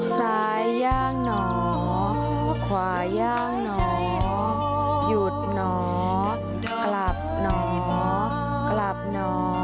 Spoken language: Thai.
สายย่างหนอขวาย่างหนอหยุดหนอกลับหนอกลับหนอ